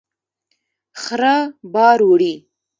خره بار وړي.